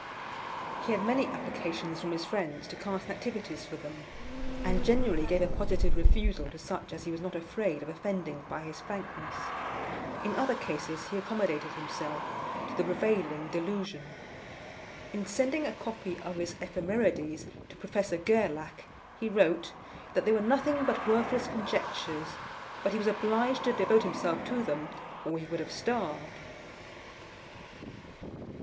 He had many applications from his friends to cast nativities for them, and generally gave a positive refusal to such as he was not afraid of offending by his frankness. In other cases he accommodated himself to the prevailing delusion. In sending a copy of his Ephemerides to Professor Gerlach, he wrote, that they were nothing but worthless conjectures; but he was obliged to devote himself to them, or he would have starved.